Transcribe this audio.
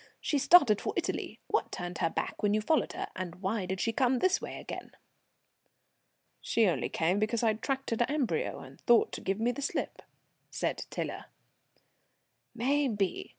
She started for Italy; what turned her back when you followed her, and why did she come this way again?" "She only came because I'd tracked her to Amberieu, and thought to give me the slip," said Tiler. "May be.